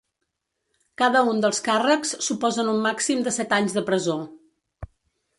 Cada un dels càrrecs suposen un màxim de set anys de presó.